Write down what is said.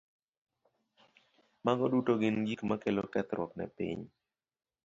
Mago duto gin gik makelo kethruok ne piny.